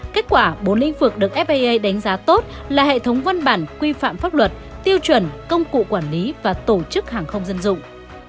kết quả bốn lĩnh vực được faa đánh giá tốt là hệ thống văn bản quy phạm pháp luật tiêu chuẩn công cụ quản lý và tổ chức hàng không dân dụng